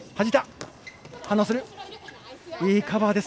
いいカバーです。